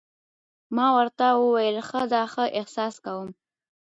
ما ورته وویل: ښه ده، ښه احساس کوم.